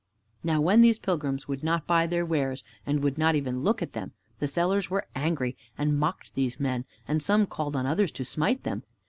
Now when these pilgrims would not buy their wares and would not even look at them, the sellers were angry and mocked these men, and some called on others to smite them.